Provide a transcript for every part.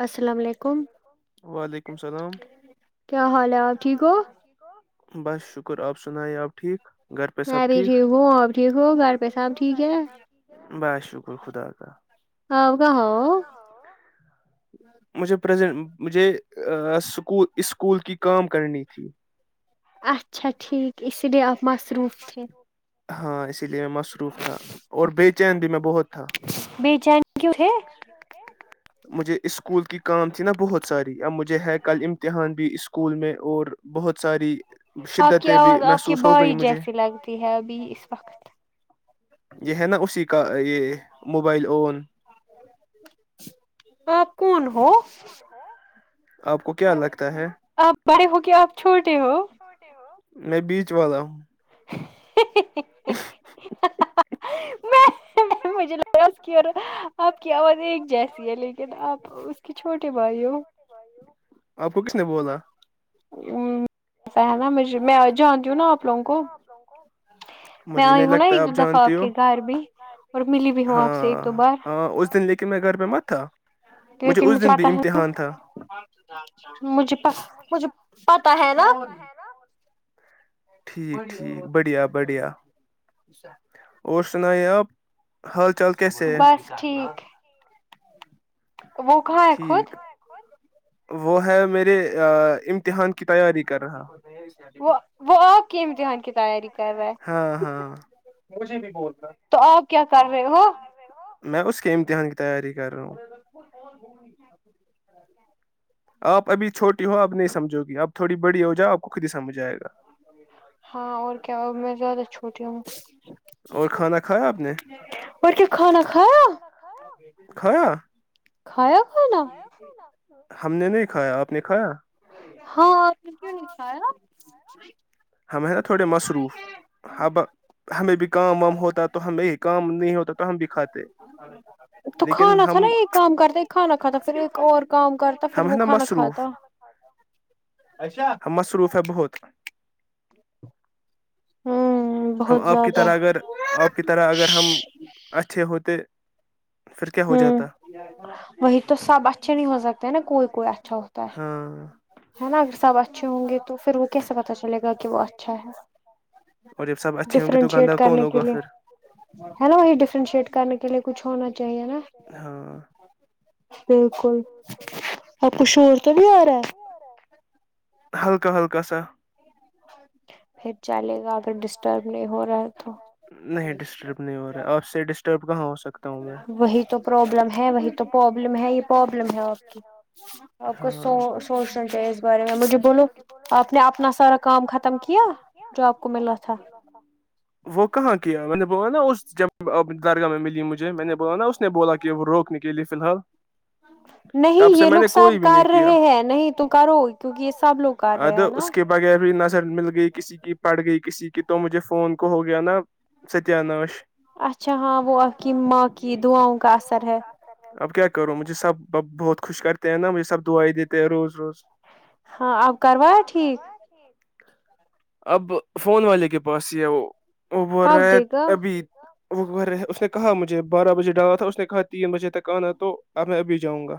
السل اللام علیکم کیا حال ہے آپ ٹھیک ہو ہ میں بھی ٹھیک ہوں اور ٹھیک ہوں گھر پہ سب ٹھیک ہے بس شکر خدا کاا ہ ا کاا ہوو مجھے پرزنٹ مجھےک اسکول کی کام کرنی تھی اچھا ٹھیک اسی لیے آپ مصروف سے ہاں لیے میں مصروف تھا اور بے چین بھی میں بہت تھا مجھے اسکول کی کام تھی نا بہت ساری اب مجھے ہے کل امتحان بھی اسکول میں اور بہت ساری آپ کی آواز آپ کی بعش جیسی لگتی ہے ابھی اس وقت یہ ہے نا اسی کا [unintelligible] کا یہ موبائل اون آ کون ہو آپ بڑے ہو کے آپ چھوٹے ہو میں بیچ والا ہوں [inaudible] [inaudible] آپ کی آواز ایک جیسی ہے لیکن آپ اس کے چھوٹے بھائی ہو نے بولا [unintelligible] ہ [unintelligible] ہوں مجھے نہیں لگتا آپ جانتی ہو ہاں ہاں اس دن لے کے میں گھر پہ مت تھا کیکن مجھے پتا ہے نا مجھے مجھے پتا ہے ال [unintelligible] ٹھیک ٹھیک بڑھیا بڑھیا اور سنایا آپ بس ٹھیک وہ کہاں ہے خود وہ ہے میرے امتحان کی تیاری کر رہا وہ وہ آپ کے امتحان کی تیاری ہاں ہاں مجھے نہیں بول رہا تو آپ کیا کر رہے ہو میں اس کے امتحان کی تیاری کروں [inaudible] اپ ابھی چھوٹی ہو اپ نہیں سمجھو گی اپ تھوڑی بڑی ہاں اور کیا میں زیادہ چھوٹی ہوں اور کیا کھانا کھایا کھایا کھانا ہم نے نہیں کھایا آپ نے کھایا ہاں کیوںکھایا تو کھانا تھا نا ایک کام کرتے کھانا کھاتے پھیر ایک اور کام کرتا پھر وہ کھانا پروف ہم مصروف ہیں بہت ہو ہم آپ کی طرح اگر آپ کی طرح اگر ہم اچھے ہوتے کہ ہوں وہی تو سب اچھے نہیں ہو سکتے نا کوئی کوئی اچھا ہوتا ہے ہے نہ سب اچھے ہوں گے تو پھر وہ کیسے پتہ چلے گا کہ وہ اچھا ہے ڈفرنس شیڈ کرنے کے لیے ہیلو ڈفرنشٹ کرنے کے لیے کچھ ہونا چاہیے بالکل اورپ کھ اورور تو بھی ہو رہا ہے ہلکا ہلکا سا نہیں ڈسٹرب نہیں ہو رہا آپ سے ڈسٹرب کہاں وہی تو پروابلم ہے وہی تو پروابلم ہے یہ پرابلم ہے آپ کی آپ کو سوچنا چاہیے اس بارے میں مجھے بولو آپ نے اپنا سارا کام ختم کیا جو آپ کو ملا تھا وہ کہاں کیا میں نے بولا نا اس جب درگاہ میں ملی مجھے میں نے بولا نا اس نے بولا کہ وہ روکنے کے لیے فی الحال نہیں یہ لوگ سب کر رہے ہیں نہیں تو کرو کیونکہ یہ سب لوگ کر رہے ہیں نا سر مل گئی کسی کی پڑ گئی کسی کی تو مجھے فون کو ہو گیا نا ستیا ناش اب کیا کروں ب بہت خوش کرتے ہیں نا یہ سب دائی دیتے ہیں روز روز ہاں اور کروا ٹھیک اب فون والے کے پاس ہی وہ اب رہ ہے ابھی وہے اس نے کہا مجھے بارہ بجے ڈالا تھا اس نے کہا تین بجے تک آنا تو اب میں ابھی جاؤں گا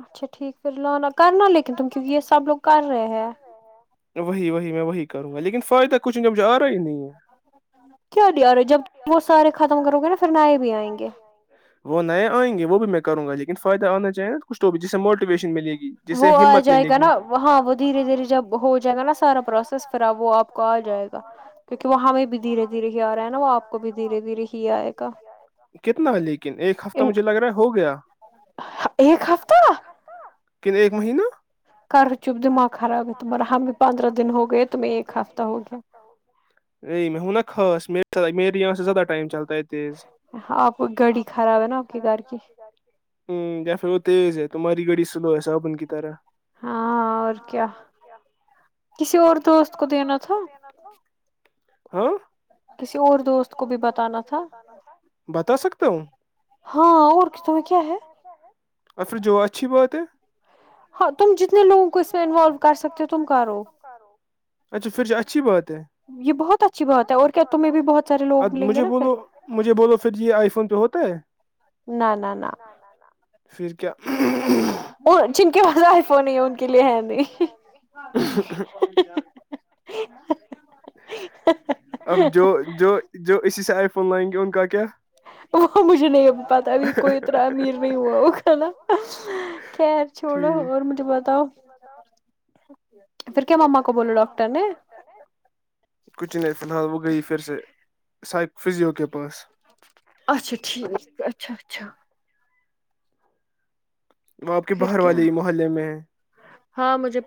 اچھا ٹھیک پھر لوانا کرنا لیکن تم کیونکہ یہ سب لوگ کر رہے ہیں وہی وہی میں وہی کروں گا لیکن فائدہ کچھ نہیںجھ آ رہا ہی نہیں ہے کیا دے رہے جب وہ سارے ختم کرو گے نا پھر نئے بھی آئیں گے وہ نئے آئ گے وہ بھی میں کروں گ لن فائدہ آنا چاہیں نا کچ تو بھی جسے موٹیویشن ملےی وہ آ جائے گا نا ہاں وہ دھیرے دھیرے جب ہو جائے گا نا سب پروسیس پھر ا وہ آپ کو آ جائے گا کیونکہ وہ ہمیں بھی دھیرے دھیرے ہی آ رہا ہے نا وہ آپ کو بھی دھیرے دھیرے ہی آئے گا ایک ہفتہ کن ایک مہینہ کرو چپ دماغ خراب ہے تمرا ہمیں پندرہ دن پندرہ دن ہوگئے تیمیہ ایک ہفتہ ہو گیا میں ہیں نہ خاص میرے یہاں سے زیادہ ٹیم چلتا ہے تیز یا پھر وہ تیز ہے تمہاریاڑی سلو ہے صابن کی طرح ہاں اور کیا کسی اور دوست کو دینا تھا ہاں کسی اور دوست کو بھی بتانا تھا ہاں اور تمہیں کیا ہے ہاں تم جتنے لوگوں کو اس میں انوالو کر سکتے ہو تم کرو اچھا پھر جو اچھی بات یہ بہت اچھی بات ہے اور کیا تمہیں بھی بہت اب مجھے بولو مجھے بولو پھر یہ آئی فون پہ ہو ہوتا ہے نہ نہ نہ کے پس آئی فون ہی ان کے لیے ہے نہیں اب جو جو جو اسی سے آئے فون لائیں گے ان کا کیا مجھے نہیں ہے پتا بھی کوئی اتنا امیر نہیں ہوا ہوگا نہ خیر چھوڑو اور مجھے بتاؤ پھر کچھ نہیں فل حال وہ گئی پھر سے فزیو کے پاس اچھا ٹھیک اچھا اچھا آپ کے باہر والے ہی محلے میں ہے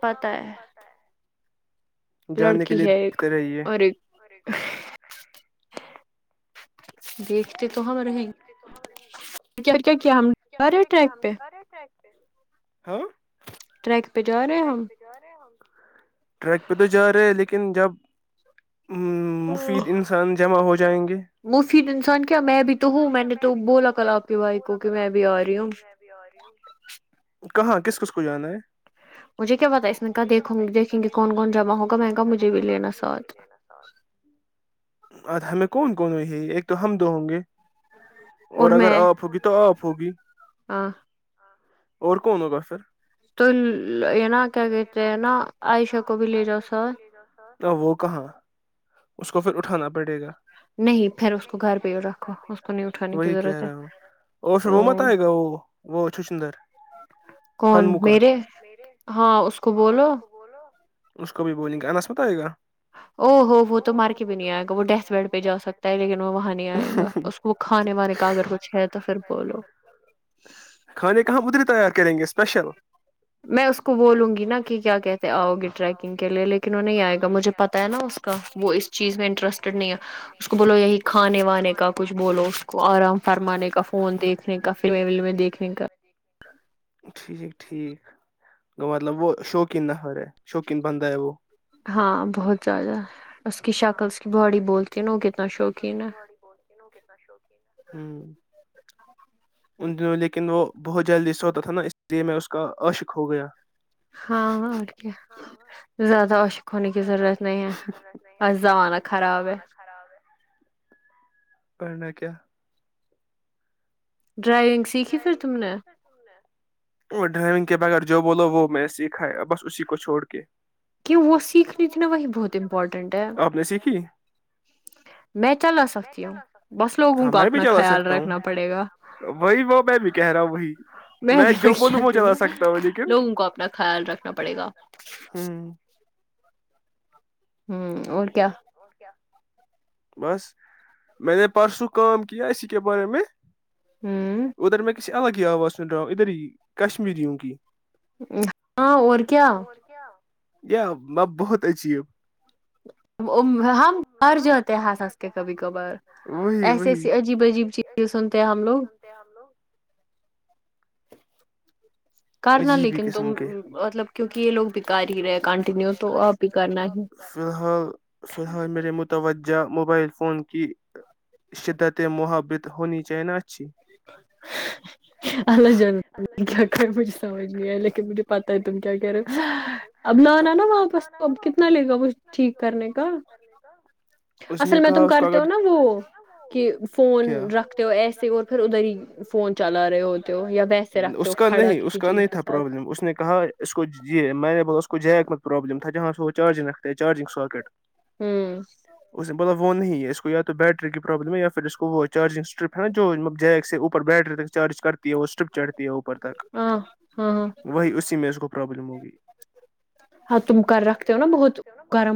ہاں مجھے پتہ ہے لڑکی ہے ایک اور ایک جی تو ہم رہیں گے کیا کیا کیا ہم نے [unintelligible] ہاں ٹریک پہ تو جا رہے لیکن لیکن جب مفید انسان کیا میں بھی تو ہوں میں نے تو بولا کل آپ کے بھائی کو کہ میں بھی وکہ میں بھی آ رہی ہوں کہاں کس کس کو جانا ہے مجھے کیا پتا اس میں کیا دیک دیکھیں گے کون کون جمہ ہوگا میں نے کہ مجھے بھی لینا ساتھ ہم کون کون ہے ایک تو ہم دو ہوں گے اور اگر آف ہوگی تو آف ہوگی ہ [unintelligible] اور کون ہوگا فر تو یہ نا کیا کہتے ہے نا آئی ش کوب لی جا سا تو وہ کہاں اس کو پھر اٹھانا پڑے گا نہیں پھر اس کو گھر پہ ہی رکھو اس کو نہیں اٹھانے کی ضرورت ہے مت آئے گا وہ وہ چهشندر خانمکا اس کو بھی بولیں گے انس مت آئے گا او ہوو وہ تو مر کے بھی نہیں آئے گا وہ ڈیتھ بیڈ پہ جا سکتا ہے لیکن وہ وہاں نہیں آئے گا اس کو کھانے وانے کا اگر کچھ ہے تو پھر کھانے کہاں ب فت رہا کریں گے اسپیشل میں اس کو بولوں گی نا کہ کیا کہتے آؤ گی ٹریکنگ کے لیے لیکن وہ نہیں آئے گا مجھے پتا ہے نا اس کا وہ اس چیز میں انٹرسٹیڈ نہیں ہے اس کو بولو یہی کھانے وانے کا کچھ بولو اس کو آرام فرمانے کا فون دیکھنے کا فلمیں ولمیں دیکھنے کا ج جیک ٹھیک گ مطلب وہ شوقین نفر ہے شوقین بندہ ہے وہ ہاں بہت زیادہ ہاں بہت زیادہ اس کی شکل سے بڑی بلتی کتنا شوقین ہے ان دنوں لیکن وہ بہت جلدی سوتا تھا نا اس لیے میں اس کا عشق ہو گیا ہاں ا کے زیادہ اشق ہونے کی ضرورت نہیں ہے ا زمانہ خراب ہے ورنہ کیا ڈرونگ سکھی فر تمنے جو بولو وہ میں سیکھا ہے ا بس اسی کو چھوڑ کے کیوں وہ سیکھ لیتی نا وہی بہت امپورٹینٹ ہے میں چلا آ سکتی ہوں بس لوگوں کو اپنا خیال رکھنا پڑے گا میں بھی وہی کھڑی ہو ں نہ لوگوں کو اپنا خیال رکھنا پڑے گا ہ [inaudible] ہوں اور کیا بس میں نے پرسوں کام کیا اسی کے بارے میں ادھر میں کسی ادھر ہی کشمیری ہاں اور کیا م بہت عجیب ج [unintelligible] ہم م جاتے ہیں ہس ہنس کے کبھی کبھار ایسی ایسی عجیب عجیب چیزیں سنتے ہیں ہم لوگ کرنا لیکن تو مطلب کیونکہ یہ لوگ فی الحال فی الحال میر ر متوج جا موبائل فون کی شدت محابت ہونی چاہ ن اللہ جان کیا کرو مجھے سمجھ نہیں آ لیکن مجھے پتا ہے تم کیا کرو اب لانا نا واپس تو اب کتنا لے گا وہ ٹھیک کرنے کا اصل میں تم کرتے ہو نا وہ کہ فون رکھتے ہو ایسے اور اس کا نہیں اس کا نہیں تھا پرابلم اس نے کہا اس کو میں نے س کو ج م پابلم تاتہ ہا س وہ چارجنگ چارجنگ ساکیٹ ہوں [unintelligible] وہ نہیں ہے اس کو یا تو بیٹری کی پرابلم ہے یا پھر اس کو وہ چارجنگ پ ہے ن جو ج سےر بیٹری تک چارج کرتی ہے وہ اسٹرپ چڑھتی ہے اوپر تک وہی اسی میں اس کو پروابلم ہوگی ہوات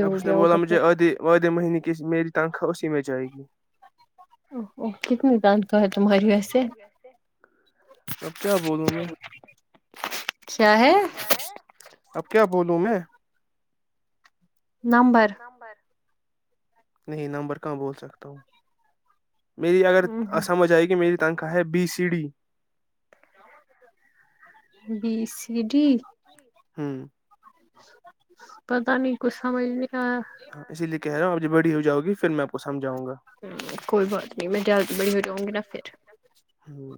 ا نے بولا مجھے آدھ آدھے مہینے کی میری تنخا اسی میں جائے گی [unintelligible] کتنی دان کا ہے تمہاری ویسے اب کیا بولوں میں اب کیا بولوں میں ہاں نمبر [unintelligible] نہیں نمبرکاں بول سکتا ہوں میری اگرسمجھ آئے گی میری تنخواہ کااہے B C D B C D ہاں [unintelligible] [unintelligible] پتا نہیں کچھ سمجھ نہیں آیا ج بڑی ہو جاگی ہ کوئی بات نہیں میں جلد بڑی ہو جاؤں گی نا پھر ہاں [unintelligible]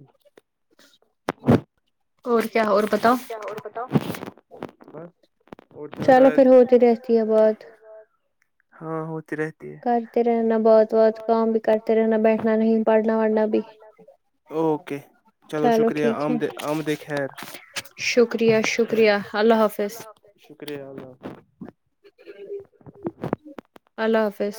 اور کیا اور بتاؤ چلو پھر ہوتی رہتی ہے بات ہاں ہ کرتے رہنا بہت بہت کام بھی کرتے رہنا بیٹھنا نہیں پڑھنا وڑھنا بھی چلو ٹھیک ہے خیر شکریہ شکریہ اللہ حافظ شکریہ اللہ حافظ اللہ حافظ